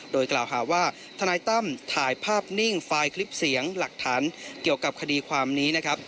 โดยกล่าวหาว่าทนายตั้มถ่ายภาพนิ่งไฟล์คลิปเสียงหลักฐานเกี่ยวกับคดีความนี้นะครับ